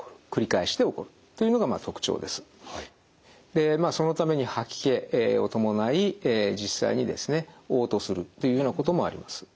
でまあそのために吐き気を伴い実際にですねおう吐するというようなこともあります。